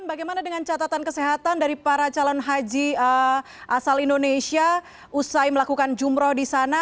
bagaimana dengan catatan kesehatan dari para calon haji asal indonesia usai melakukan jumroh di sana